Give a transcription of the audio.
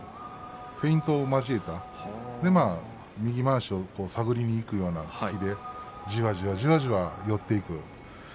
フェイントを交えた右まわしを探りにいくような形の突きでじわじわじわじわ寄っていく。